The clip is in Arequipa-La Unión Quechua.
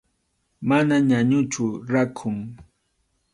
Mana ñañuchu, rakhun.